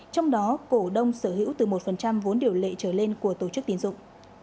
trong đó cổ đông sở hữu từ một vốn điều lệ trở lên của tổ chức tiến dụng